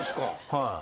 はい。